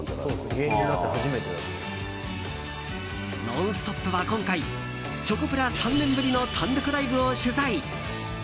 「ノンストップ！」は今回チョコプラ３年ぶりの単独ライブを取材。